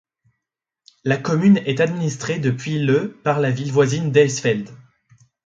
La commune est administrée depuis le par la ville voisine d'Eisfeld.